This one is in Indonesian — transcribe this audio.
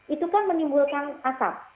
itu kan menimbulkan asap